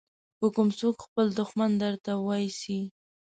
که کوم څوک خپل دښمن درته واېسي.